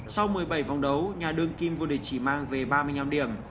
sau một mươi bảy vòng đấu nhà đơn kim vua địch chỉ mang về ba mươi năm điểm